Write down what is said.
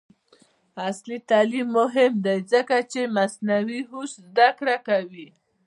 عصري تعلیم مهم دی ځکه چې د مصنوعي هوش زدکړه کوي.